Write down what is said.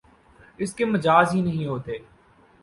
اس کے مجاز ہی نہیں ہوتے